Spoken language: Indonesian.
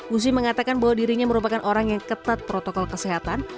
usi mengatakan bahwa dirinya merupakan orang yang ketat protokol kesehatan